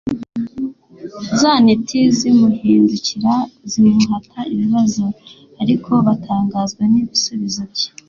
Za ntiti zimuhindukirira zimuhata ibibazo, ariko batangazwa n'ibisubuzo bye.